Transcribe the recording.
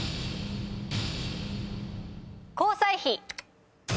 交際費。